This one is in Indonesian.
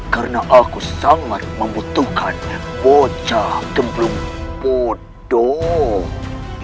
karena aku sangat membutuhkan bocah kemplung bodoh